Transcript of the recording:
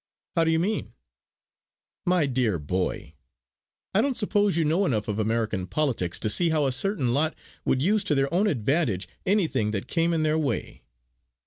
"How do you mean?" "My dear boy, I don't suppose you know enough of American politics to see how a certain lot would use to their own advantage anything that came in their way.